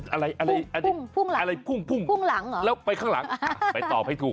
อะไรอะไรอะไรพุ่งแล้วไปข้างหลังไปตอบให้ถูก